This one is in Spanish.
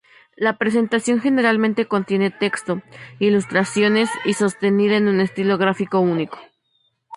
La presentación generalmente contiene texto, ilustraciones, y sostenida en un estilo gráfico único.